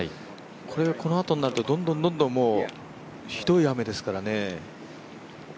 これがこのあとになるとどんどんひどい雨ですからね。